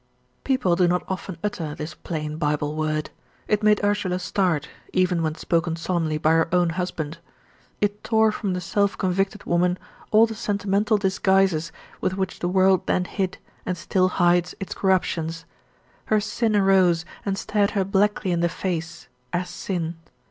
People do not often utter this plain Bible word. It made Ursula start, even when spoken solemnly by her own husband. It tore from the self convicted woman all the sentimental disguises with which the world then hid, and still hides, its corruptions. Her sin arose and stared her blackly in the face AS SIN.